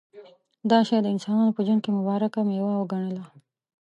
دا شی د انسانانو په ژوند کې مبارکه مېوه وګڼله.